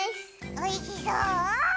おいしそう！